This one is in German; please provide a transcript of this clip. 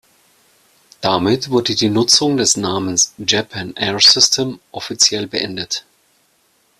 Damit wurde die Nutzung des Namens „Japan Air System“ offiziell beendet.